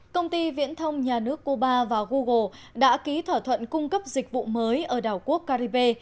công ty viễn thông nhà nước cuba và google đã ký thỏa thuận cung cấp dịch vụ mới ở đảo quốc caribe